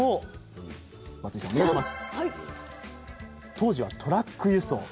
当時はトラック輸送。